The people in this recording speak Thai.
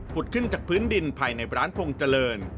ขึ้นจากพื้นดินภายในร้านพงษ์เจริญ